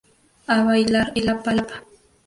A bailar el Lapa Lapa!